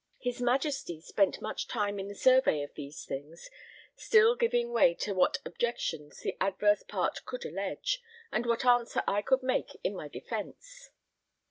His Majesty spent much time in the survey of these things, still giving way to what objections the adverse part could allege, and what answer I could make in my defence.